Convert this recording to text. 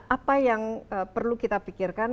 apa yang perlu kita pikirkan